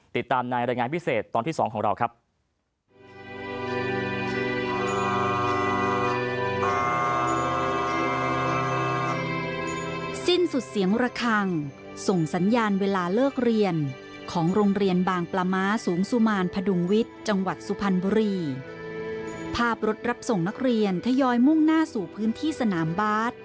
ติดตามในรายงานพิเศษตอนที่๒ของเราครับ